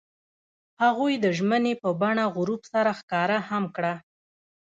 هغوی د ژمنې په بڼه غروب سره ښکاره هم کړه.